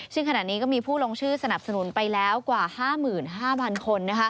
ซึ่งขณะนี้ก็มีผู้ลงชื่อสนับสนุนไปแล้วกว่า๕๕๐๐คน